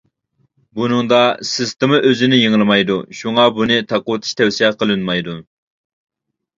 بۇنىڭدا سىستېما ئۆزىنى يېڭىلىمايدۇ، شۇڭا بۇنى تاقىۋېتىش تەۋسىيە قىلىنمايدۇ.